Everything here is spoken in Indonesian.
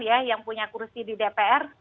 ya yang punya kursi di dpr